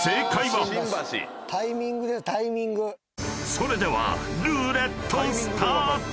［それではルーレットスタート！］